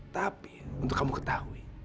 tapi untuk kamu ketahui